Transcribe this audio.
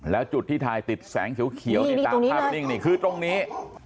แล้วจุดที่ถ่ายติดแสงเขียวนี่ตามภาพนิ่งนี่คือตรงนี้